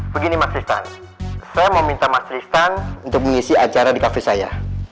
begini mas tristan saya mau minta mas tristan untuk mengisi acara di kafe saya